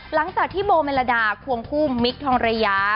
หลังจากที่โบเมลดาควงคู่มิคทองระยะ